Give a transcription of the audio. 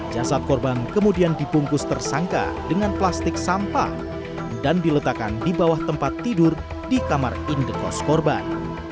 jasab korban kemudian dipungkus tersangka dengan plastik sampah dan diletakkan di bawah tempat tidur di kamar indek kos korban